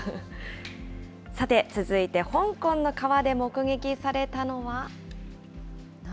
さて、続いて香港の川で目撃されたのは。